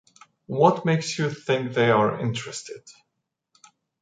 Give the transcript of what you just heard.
What makes you think they are interested?